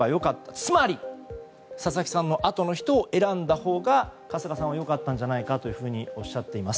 つまり、佐々木さんのあとの人を選んだほうが春日さんは良かったんじゃないかとおっしゃっています。